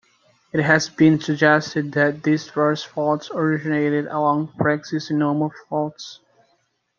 It has been suggested that these thrust faults originated along preexisting normal faults.